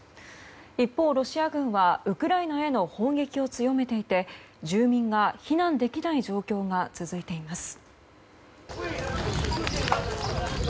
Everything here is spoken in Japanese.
一方、ロシア軍はウクライナへの砲撃を強めていて住民が避難できない状況が続いています。